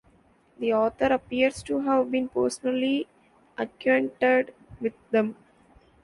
The author appears to have been personally acquainted with them.